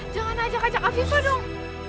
jangan ajak ajak afifa dong